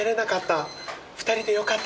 ２人でよかったです。